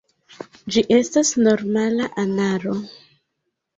Ĝi estas normala anaro.